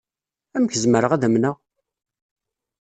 Amek zemreɣ ad amneɣ?